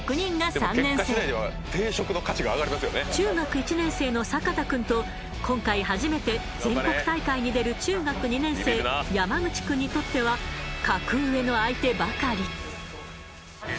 中学１年生の坂田君と今回初めて全国大会に出る中学２年生山口君にとっては格上の相手ばかり。